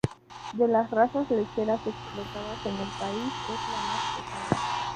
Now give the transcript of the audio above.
De las razas lecheras explotadas en el país es la más pesada.